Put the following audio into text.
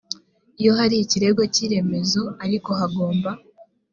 iyo hari ikirego cy iremezo ariko hagomba